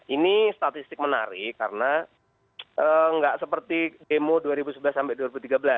ini statistik menarik karena nggak seperti demo dua ribu sebelas sampai dua ribu tiga belas